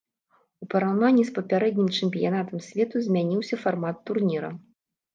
У параўнанні з папярэднім чэмпіянатам свету змяніўся фармат турніра.